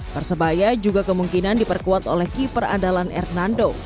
persebaya juga kemungkinan diperkuat oleh keeper andalan hernando